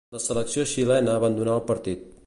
La selecció xilena abandonà el partit.